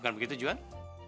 bukan begitu juhan